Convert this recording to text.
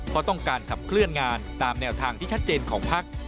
เพราะต้องการขับเคลื่อนงานตามแนวทางที่ชัดเจนของพัก